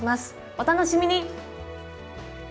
お楽しみに！